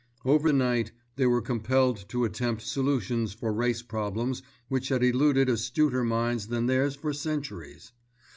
Overnight they were compelled to attempt solutions for race problems which had eluded astuter minds than theirs for centuries.